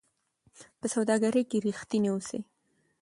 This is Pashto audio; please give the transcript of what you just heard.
په سوداګرۍ کې رښتیني اوسئ.